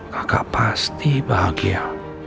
kakak pasti bahagia